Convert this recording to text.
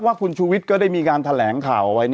ว่าคุณชูวิทย์ก็ได้มีการแถลงข่าวไว้